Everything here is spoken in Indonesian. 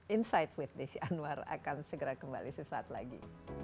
insight with desi anwar akan segera kembali sesaat lagi